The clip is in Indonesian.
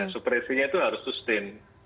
supresinya itu harus sustain